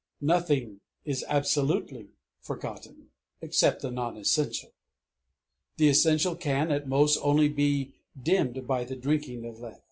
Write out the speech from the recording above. Nothing is absolutely forgotten except the non essential. The essential can, at most, only be dimmed by the drinking of Lethe.